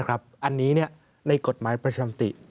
อันนี้ในกฎหมายประชามติ